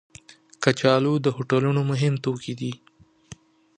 کچالو د هوټلونو مهم توکي دي